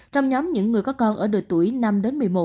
trong nhóm những người có con ở độ tuổi năm đến một mươi một